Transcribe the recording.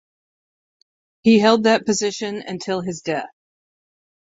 He held that position until his death.